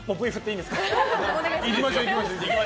いきましょう。